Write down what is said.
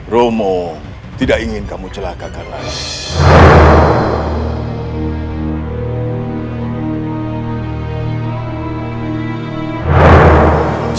romo tidak ingin kamu celaka karena